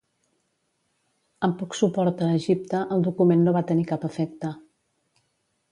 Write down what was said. Amb poc suport a Egipte, el document no va tenir cap efecte.